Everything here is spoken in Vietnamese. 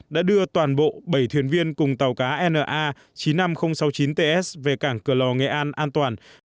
đã đưa toàn bộ bảy thuyền viên cùng tàu cá na chín mươi năm nghìn sáu mươi chín ts về cảng cửa lò nghệ an an toàn